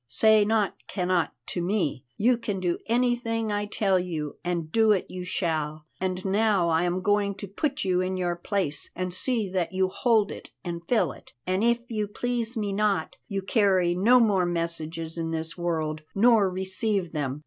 Say not cannot to me; you can do anything I tell you, and do it you shall. And now I am going to put you in your place, and see that you hold it and fill it. An if you please me not, you carry no more messages in this world, nor receive them.